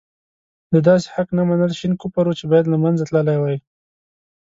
د داسې حق نه منل شين کفر وو چې باید له منځه تللی وای.